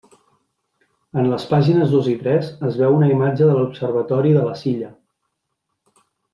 En les pàgines dos i tres es veu una imatge de l'observatori de La Silla.